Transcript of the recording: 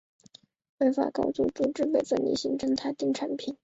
挥发度高的组分被分离开并形成塔顶产品。